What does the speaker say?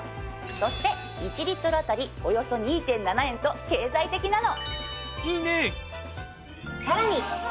そして１リットルあたりおよそ２．７円と経済的なの。